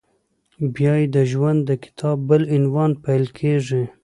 بیا یې د ژوند د کتاب بل عنوان پیل کېږي…